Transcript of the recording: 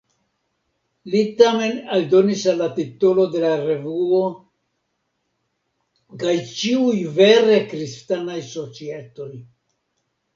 Li tamen aldonis al la titolo de la revuo "kaj ĉiuj vere Kristanaj Societoj".